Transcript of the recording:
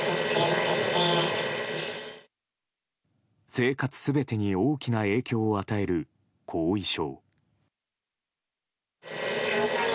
生活全てに大きな影響を与える後遺症。